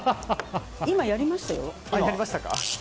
今やりましたよ。